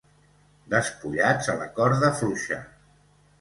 Despullats a la corda fluixa.